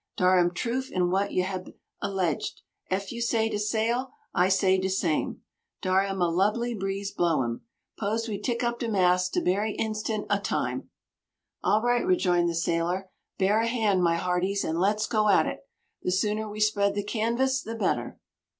"Dar am troof in wha you hab 'ledged. Ef you say set de sail, I say de same. Dar am a lubbly breeze bowlum. 'Pose we 'tick up de mass dis berry instam ob time?" "All right!" rejoined the sailor. "Bear a hand, my hearties, and let's go at it! The sooner we spread the canvas the better."